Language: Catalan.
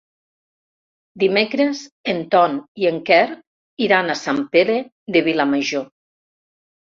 Dimecres en Ton i en Quer iran a Sant Pere de Vilamajor.